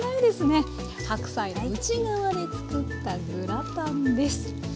白菜の内側でつくったグラタンです。